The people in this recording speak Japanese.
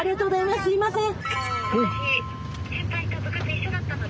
すいません。